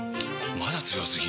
まだ強すぎ？！